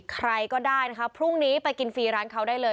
ใครก็ได้นะคะพรุ่งนี้ไปกินฟรีร้านเขาได้เลย